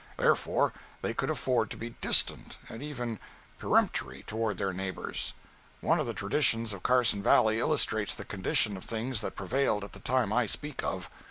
Therefore they could afford to be distant, and even peremptory toward their neighbors. One of the traditions of Carson Valley illustrates the condition of things that prevailed at the time I speak of.